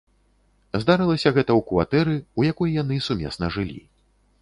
Здарылася гэта ў кватэры, у якой яны сумесна жылі.